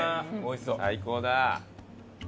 最高だ。